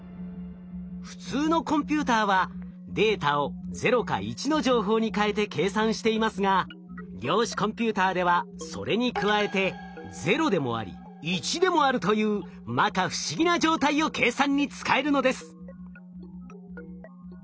普通のコンピューターはデータを「０」か「１」の情報に変えて計算していますが量子コンピューターではそれに加えてというまか不思議な状態を計算に使えるのです。